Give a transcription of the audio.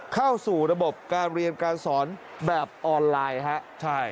เข้าสู่ระบบการเรียนการสอนแบบออนไลน์ฮะใช่